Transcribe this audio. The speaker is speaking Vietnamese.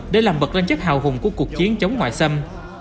để làm bật lên chất hào hùng của cuộc chiến chống ngoại xâm